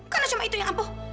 karena cuma itu yang ampuh